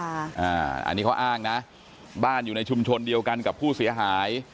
อันนี้เขาอ้างนะบ้านอยู่ในชุมชนเดียวกันกับผู้เสียหาย